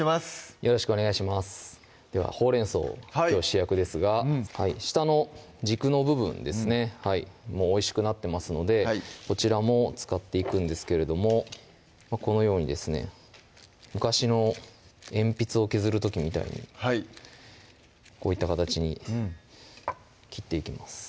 よろしくお願いしますではほうれん草をきょう主役ですが下の軸の部分ですねもおいしくなってますのでこちらも使っていくんですけれどもこのようにですね昔の鉛筆を削る時みたいにはいこういった形に切っていきます